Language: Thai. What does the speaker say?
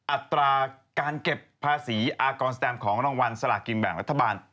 อัตราการเก็บภาษีอากรสแตมของรางวัลสลากินแบ่งรัฐบาล